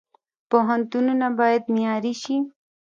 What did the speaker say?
پوهنتونونه باید معیاري شي